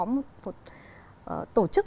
một tổ chức